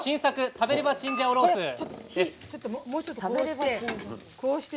「食べればチンジャオロースー」です。